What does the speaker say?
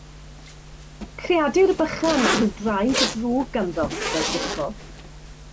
Creadur bychan a rhyw draed drwg ganddo ydoedd Dico.